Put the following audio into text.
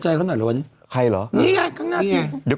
น่ะก็เหนาให้รู้